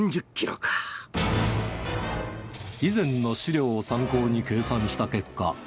以前の資料を参考に計算した結果